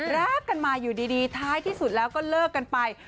รักกันมาอยู่ดีท้ายที่สุดแล้วก็เลิกกันไป